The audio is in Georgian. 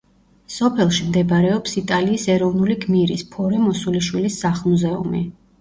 სოფელში მდებარეობს იტალიის ეროვნული გმირის ფორე მოსულიშვილის სახლ-მუზეუმი.